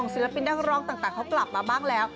ศิลปินนักร้องต่างเขากลับมาบ้างแล้ว